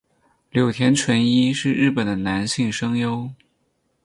柳田淳一是日本的男性声优。